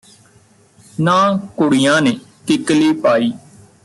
ਨਾ ਕੁੜੀਆਂ ਨੇ ਕਿੱਕਲੀ ਪਾਈ